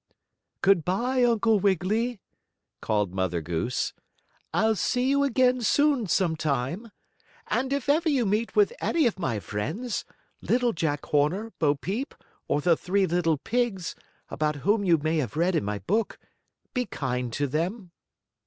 "Good bye, Uncle Wiggily!" called Mother Goose. "I'll see you again, soon, sometime. And if ever you meet with any of my friends, Little Jack Horner, Bo Peep, or the three little pigs, about whom you may have read in my book, be kind to them."